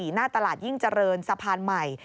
หน้าตลาดยิ่งเจริญสะพานใหม่